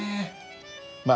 まあ